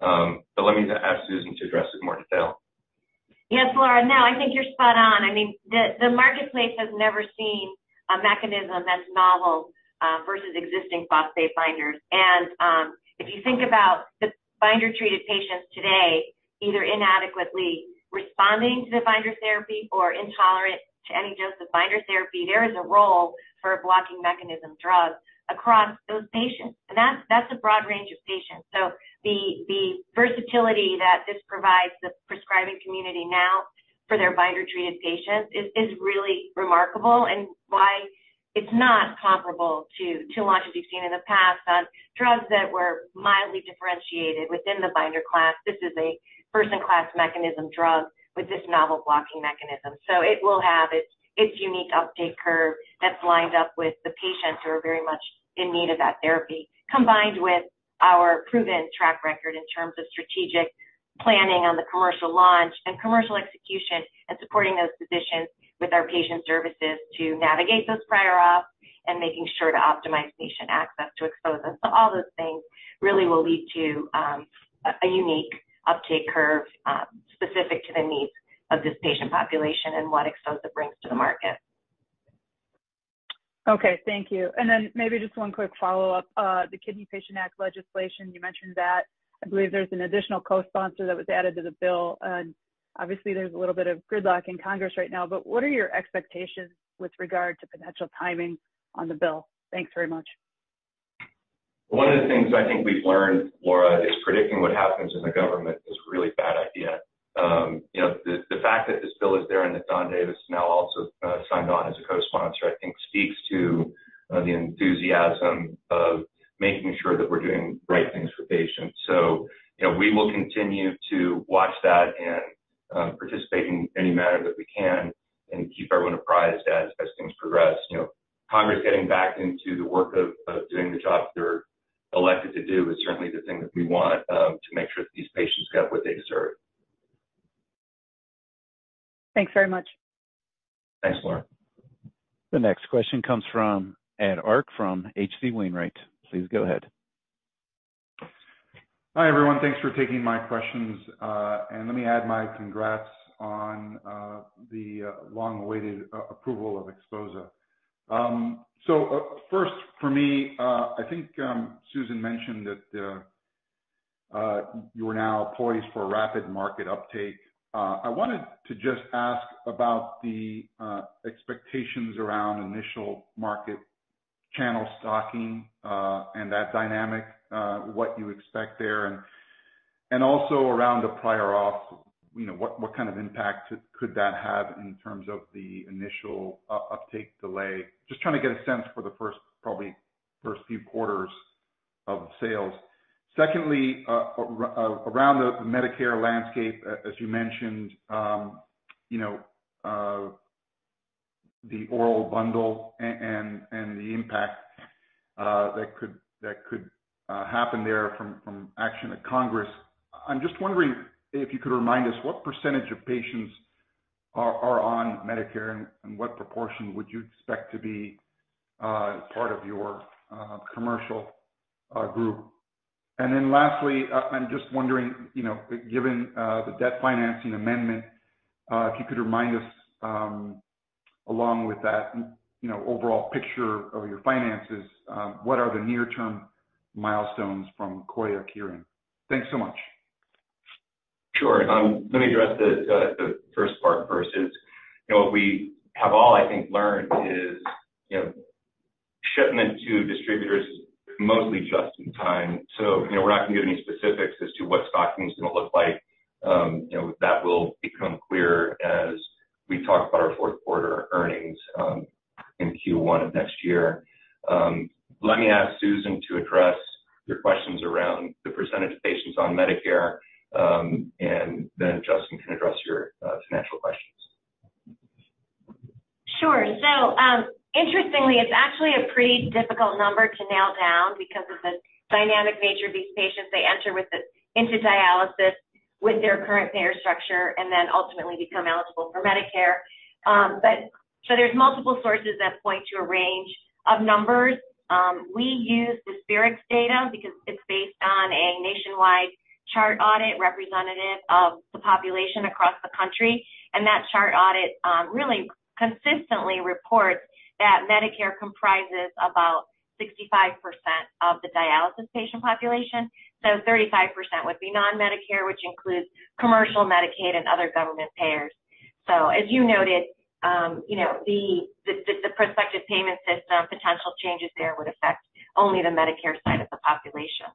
Speaker 2: But let me ask Susan to address it in more detail.
Speaker 4: Yes, Laura. No, I think you're spot on. I mean, the, the marketplace has never seen a mechanism that's novel, versus existing phosphate binders. And, if you think about the binder-treated patients today, either inadequately responding to the binder therapy or intolerant to any dose of binder therapy, there is a role for a blocking mechanism drug across those patients. And that's, that's a broad range of patients. So the, the versatility that this provides the prescribing community now for their binder-treated patients is, is really remarkable and why it's not comparable to, to launches we've seen in the past on drugs that were mildly differentiated within the binder class. This is a first-in-class mechanism drug with this novel blocking mechanism. So it will have its, its unique uptake curve that's lined up with the patients who are very much in need of that therapy. Combined with our proven track record in terms of strategic planning on the commercial launch and commercial execution, and supporting those physicians with our patient services to navigate those prior auths and making sure to optimize patient access to XPHOZAH. So all those things really will lead to a unique uptake curve, specific to the needs of this patient population and what XPHOZAH brings to the market.
Speaker 12: Okay, thank you. And then maybe just one quick follow-up. The Kidney PATIENT Act legislation, you mentioned that. I believe there's an additional co-sponsor that was added to the bill, and obviously, there's a little bit of gridlock in Congress right now, but what are your expectations with regard to potential timing on the bill? Thanks very much.
Speaker 2: One of the things I think we've learned, Laura, is predicting what happens in the government is a really bad idea. You know, the fact that this bill is there and that Don Davis now also signed on as a co-sponsor, I think speaks to the enthusiasm of making sure that we're doing the right things for patients. So, you know, we will continue to watch that and participate in any manner that we can and keep everyone apprised as things progress. You know, Congress getting back into the work of doing the job they're elected to do is certainly the thing that we want to make sure that these patients get what they deserve.
Speaker 12: Thanks very much.
Speaker 2: Thanks, Laura.
Speaker 6: The next question comes from Ed Arce from H.C. Wainwright. Please go ahead.
Speaker 13: Hi, everyone. Thanks for taking my questions. And let me add my congrats on the long-awaited approval of XPHOZAH. So, first for me, I think Susan mentioned that you are now poised for a rapid market uptake. I wanted to just ask about the expectations around initial market channel stocking and that dynamic, what you expect there, and also around the prior auth. You know, what kind of impact could that have in terms of the initial uptake delay? Just trying to get a sense for the first, probably first few quarters of sales. Secondly, around the Medicare landscape, as you mentioned, you know, the oral bundle and the impact that could happen there from action at Congress. I'm just wondering if you could remind us what percentage of patients are on Medicare and what proportion would you expect to be part of your commercial group? And then lastly, I'm just wondering, you know, given the debt financing amendment, if you could remind us, along with that, you know, overall picture of your finances, what are the near-term milestones from Kyowa Kirin? Thanks so much.
Speaker 2: Sure. Let me address the first part first is, you know, we have all, I think, learned is, you know, shipment to distributors is mostly just in time. So, you know, we're not going to give any specifics as to what stocking is going to look like. You know, that will become clearer as we talk about our fourth quarter earnings in Q1 of next year. Let me ask Susan to address your questions around the percentage of patients on Medicare, and then Justin can address your financial questions.
Speaker 4: Sure. So, interestingly, it's actually a pretty difficult number to nail down because of the dynamic nature of these patients. They enter into dialysis with their current payer structure and then ultimately become eligible for Medicare. So there's multiple sources that point to a range of numbers. We use the Spherix data because it's based on a nationwide chart audit, representative of the population across the country. And that chart audit really consistently reports that Medicare comprises about 65% of the dialysis patient population. So 35% would be non-Medicare, which includes commercial, Medicaid, and other government payers. So as you noted, you know, the prospective payment system, potential changes there would affect only the Medicare side of the population.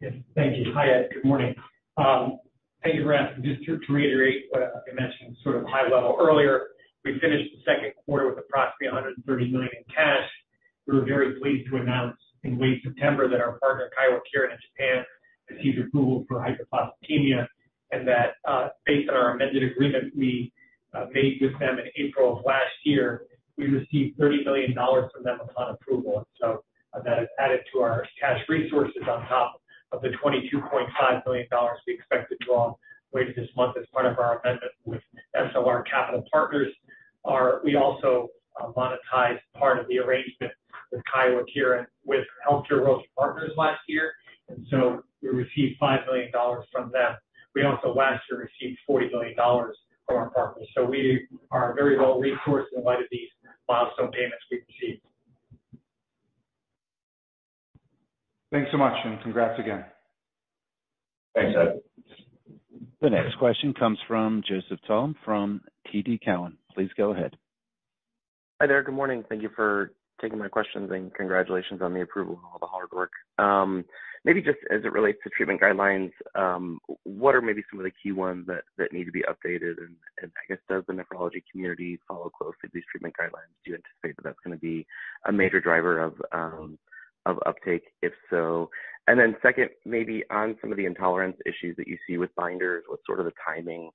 Speaker 5: Yes. Thank you. Hi, Ed. Good morning. Thank you, Raab. Just to reiterate what I mentioned sort of high level earlier, we finished the second quarter with approximately $130 million in cash. We were very pleased to announce in late September that our partner, Kyowa Kirin, in Japan, received approval for hyperphosphatemia, and that, based on our amended agreement we made with them in April of last year, we received $30 million from them upon approval. So that is added to our cash resources on top of the $22.5 million we expect to draw later this month as part of our amendment with SLR Capital Partners. We also monetized part of the arrangement with Kyowa Kirin, with HealthCare Royalty Partners last year, and so we received $5 million from them. We also last year received $40 million from our partners, so we are very well-resourced in light of these milestone payments we've received.
Speaker 13: Thanks so much, and congrats again.
Speaker 2: Thanks, Ed.
Speaker 6: The next question comes from Joseph Thome from TD Cowen. Please go ahead.
Speaker 14: Hi there, good morning. Thank you for taking my questions, and congratulations on the approval and all the hard work. Maybe just as it relates to treatment guidelines, what are maybe some of the key ones that need to be updated? And I guess, does the nephrology community follow closely these treatment guidelines? Do you anticipate that that's gonna be a major driver of uptake, if so? And then second, maybe on some of the intolerance issues that you see with binders, what's sort of the timing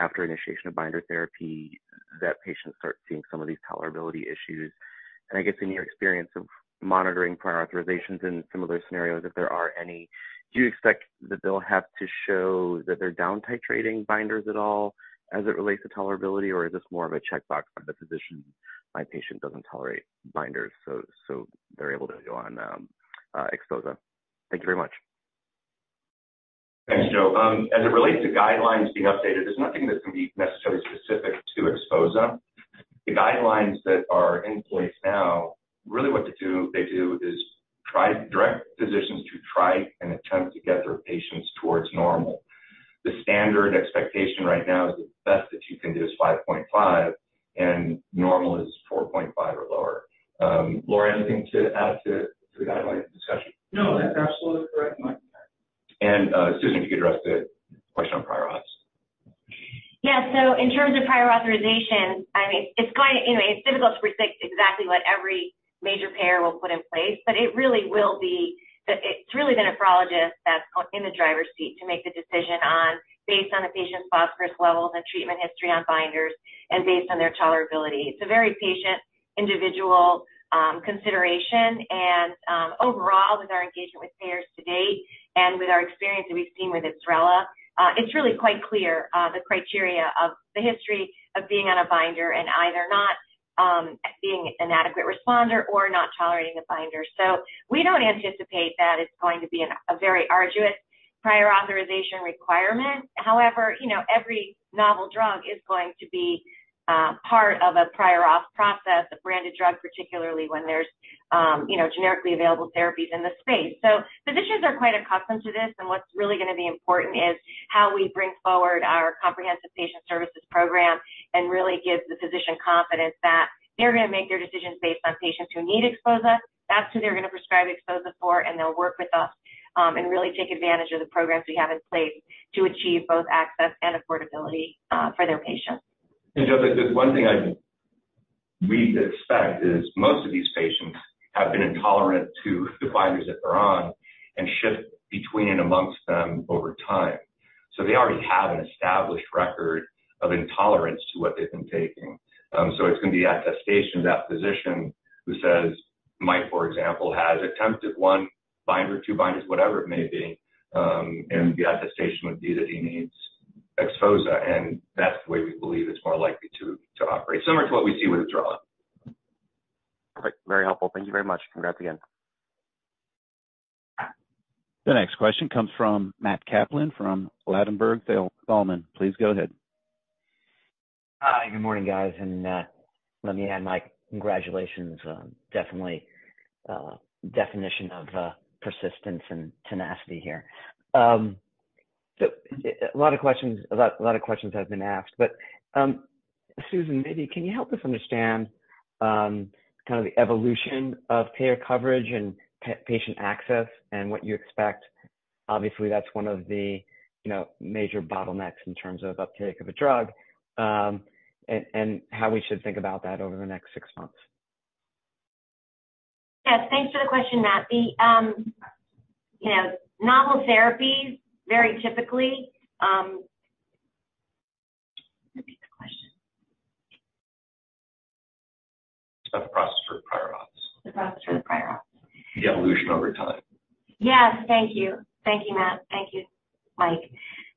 Speaker 14: after initiation of binder therapy, that patients start seeing some of these tolerability issues? I guess in your experience of monitoring prior authorizations in similar scenarios, if there are any, do you expect that they'll have to show that they're down titrating binders at all as it relates to tolerability, or is this more of a checkbox by the physician, "My patient doesn't tolerate binders," so, so they're able to go on XPHOZAH? Thank you very much.
Speaker 2: Thanks, Joe. As it relates to guidelines being updated, there's nothing that's gonna be necessarily specific to XPHOZAH. The guidelines that are in place now, really what they do, they do is try to direct physicians to try and attempt to get their patients towards normal. The standard expectation right now is the best that you can do is 5.5, and normal is 4.5 or lower. Laura, anything to add to the guideline discussion?
Speaker 10: No, that's absolutely correct, Mike.
Speaker 2: Susan, if you could address the question on prior auths.
Speaker 4: Yeah. So in terms of prior authorization, I mean, it's going to. Anyway, it's difficult to predict exactly what every major payer will put in place, but it really will be the—it's really the nephrologist that's in the driver's seat to make the decision on, based on the patient's phosphorus levels and treatment history on binders and based on their tolerability. It's a very patient, individual consideration. And, overall, with our engagement with payers to date and with our experience that we've seen with IBSRELA, it's really quite clear, the criteria of the history of being on a binder and either not being an adequate responder or not tolerating the binder. So we don't anticipate that it's going to be an, a very arduous prior authorization requirement. However, you know, every novel drug is going to be part of a prior auth process, a branded drug, particularly when there's, you know, generically available therapies in the space. So physicians are quite accustomed to this, and what's really gonna be important is how we bring forward our comprehensive patient services program and really give the physician confidence that they're gonna make their decisions based on patients who need XPHOZAH. That's who they're gonna prescribe XPHOZAH for, and they'll work with us, and really take advantage of the programs we have in place to achieve both access and affordability, for their patients.
Speaker 2: And Joe, the one thing we'd expect is most of these patients have been intolerant to the binders that they're on and shift between and amongst them over time. So they already have an established record of intolerance to what they've been taking. So it's gonna be attestation of that physician who says, "Mike, for example, has attempted one binder, two binders," whatever it may be, and the attestation would be that he needs XPHOZAH, and that's the way we believe it's more likely to operate, similar to what we see with IBSRELA.
Speaker 14: Perfect. Very helpful. Thank you very much. Congrats again.
Speaker 6: The next question comes from Matt Kaplan from Ladenburg Thalmann. Please go ahead.
Speaker 15: Hi, good morning, guys, and let me add my congratulations. Definitely, definition of persistence and tenacity here. So a lot of questions, a lot of questions have been asked, but Susan, maybe can you help us understand kind of the evolution of payer coverage and patient access and what you expect? Obviously, that's one of the, you know, major bottlenecks in terms of uptake of a drug, and how we should think about that over the next six months.
Speaker 4: Yes, thanks for the question, Matt. The, you know, novel therapies, very typically... Repeat the question.
Speaker 2: ...the process for the prior auth.
Speaker 4: The process for the prior auth.
Speaker 2: The evolution over time.
Speaker 4: Yes. Thank you. Thank you, Matt. Thank you, Mike.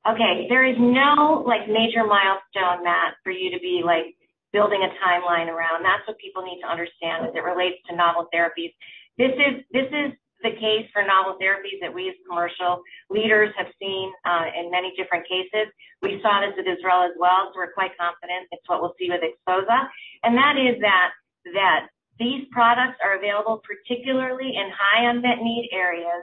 Speaker 4: Okay, there is no, like, major milestone, Matt, for you to be, like, building a timeline around. That's what people need to understand as it relates to novel therapies. This is, this is the case for novel therapies that we, as commercial leaders, have seen in many different cases. We saw this with IBSRELA as well, so we're quite confident it's what we'll see with XPHOZAH. And that is that, that these products are available, particularly in high unmet need areas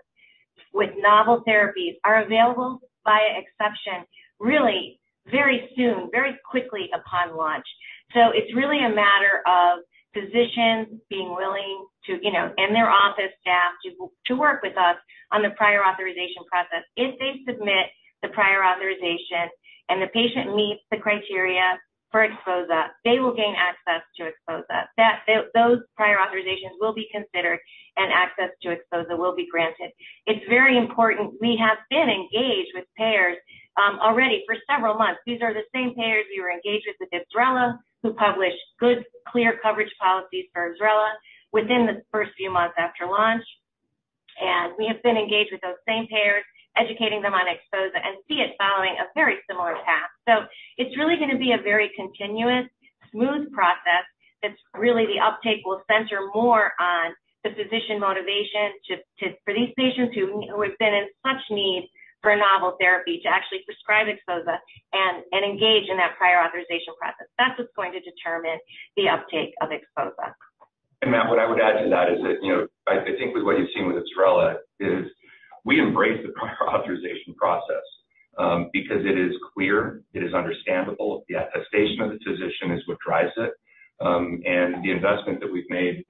Speaker 4: with novel therapies, are available via exception, really very soon, very quickly upon launch. So it's really a matter of physicians being willing to, you know, and their office staff, to, to work with us on the prior authorization process. If they submit the prior authorization and the patient meets the criteria for XPHOZAH, they will gain access to XPHOZAH. Those prior authorizations will be considered, and access to XPHOZAH will be granted. It's very important. We have been engaged with payers already for several months. These are the same payers we were engaged with with IBSRELA, who published good, clear coverage policies for IBSRELA within the first few months after launch. And we have been engaged with those same payers, educating them on XPHOZAH, and see it following a very similar path. So it's really gonna be a very continuous, smooth process, that really the uptake will center more on the physician motivation to for these patients who have been in such need for a novel therapy, to actually prescribe XPHOZAH and engage in that prior authorization process. That's what's going to determine the uptake of XPHOZAH.
Speaker 2: And, Matt, what I would add to that is that, you know, I think with what you've seen with IBSRELA is we embrace the prior authorization process, because it is clear, it is understandable, the attestation of the physician is what drives it. And the investment that we've made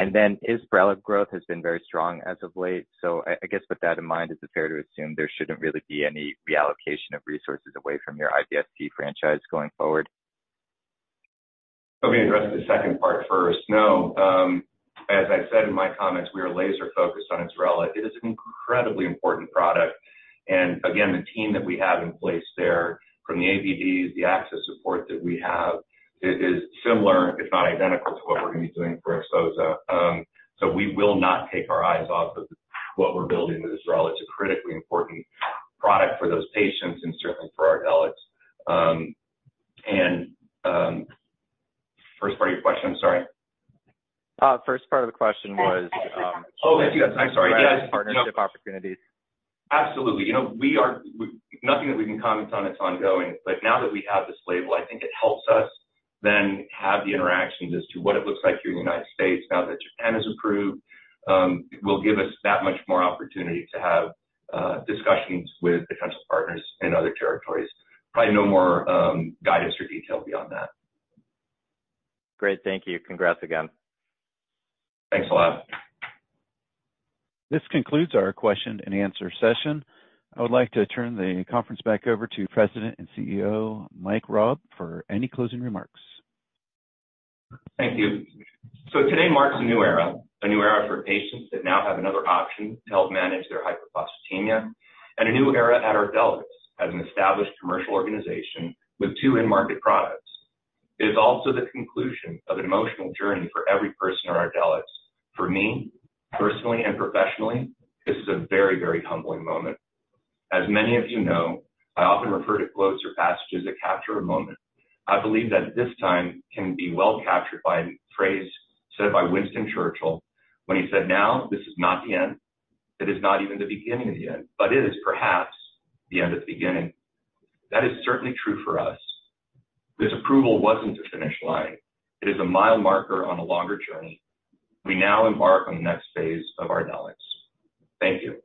Speaker 16: And then, IBSRELA growth has been very strong as of late, so I, I guess with that in mind, is it fair to assume there shouldn't really be any reallocation of resources away from your IBSRELA franchise going forward?
Speaker 2: Let me address the second part first. No. As I said in my comments, we are laser focused on IBSRELA. It is an incredibly important product, and again, the team that we have in place there, from the ABDs, the access support that we have, it is similar, if not identical, to what we're going to be doing for XPHOZAH. So we will not take our eyes off of what we're building with IBSRELA. It's a critically important product for those patients and certainly for Ardelyx. And, first part of your question, I'm sorry?
Speaker 16: First part of the question was,
Speaker 2: Oh, yes, I'm sorry. Yes.
Speaker 16: -partnership opportunities.
Speaker 2: Absolutely. You know, nothing that we can comment on, it's ongoing, but now that we have this label, I think it helps us then have the interactions as to what it looks like here in the United States now that Japan is approved. It will give us that much more opportunity to have discussions with potential partners in other territories. Probably no more guidance or detail beyond that.
Speaker 16: Great. Thank you. Congrats again.
Speaker 2: Thanks a lot.
Speaker 6: This concludes our question and answer session. I would like to turn the conference back over to President and CEO, Mike Raab, for any closing remarks.
Speaker 2: Thank you. Today marks a new era, a new era for patients that now have another option to help manage their hyperphosphatemia, and a new era at Ardelyx as an established commercial organization with two in-market products. It is also the conclusion of an emotional journey for every person at Ardelyx. For me, personally and professionally, this is a very, very humbling moment. As many of you know, I often refer to quotes or passages that capture a moment. I believe that this time can be well captured by a phrase said by Winston Churchill when he said, "Now, this is not the end. It is not even the beginning of the end, but it is perhaps the end of the beginning." That is certainly true for us. This approval wasn't the finish line. It is a mile marker on a longer journey. We now embark on the next phase of Ardelyx. Thank you.